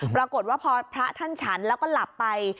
ปรากฏว่าพอพระท่านฉันแล้วก็หลับไป